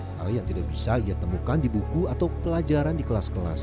hal yang tidak bisa ia temukan di buku atau pelajaran di kelas kelas